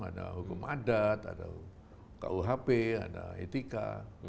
ada hukum adat ada kuhp ada etika